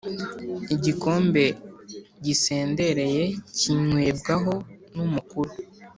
Igikomb e gisendereye kinywebwaho numukuru.